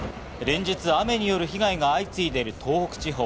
連日、雨による被害が相次いでいる東北地方。